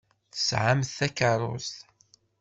Tesɛamt takeṛṛust.